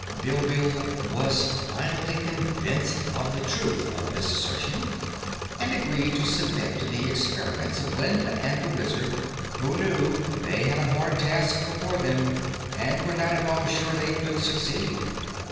Bilbil was finally convinced of the truth of this assertion and agreed to submit to the experiments of Glinda and the Wizard, who knew they had a hard task before them and were not at all sure they could succeed.